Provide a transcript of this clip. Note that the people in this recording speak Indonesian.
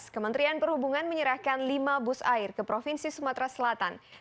kementerian perhubungan menyerahkan lima bus air ke provinsi sumatera selatan